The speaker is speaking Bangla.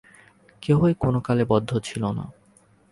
কেহই কোন কালে বদ্ধ ছিল না।